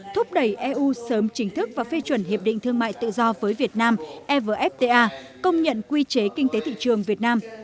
thúc đẩy eu sớm chính thức và phê chuẩn hiệp định thương mại tự do với việt nam evfta công nhận quy chế kinh tế thị trường việt nam